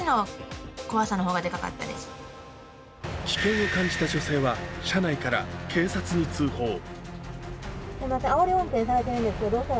危険を感じた女性は、車内から警察に通報。